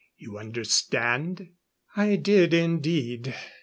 You understand?" I did, indeed.